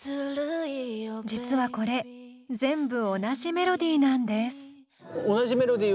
実はこれ全部同じメロディーなんです。